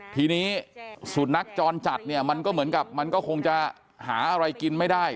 ทีนี้สุนัขจรจัดเนี่ยมันก็เหมือนกับมันก็คงจะหาอะไรกินไม่ได้